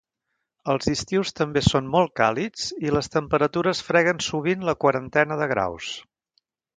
Els estius també són molt càlids i les temperatures freguen sovint la quarantena de graus.